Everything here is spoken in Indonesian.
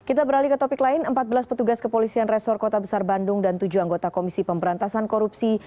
kita beralih ke topik lain empat belas petugas kepolisian resor kota besar bandung dan tujuh anggota komisi pemberantasan korupsi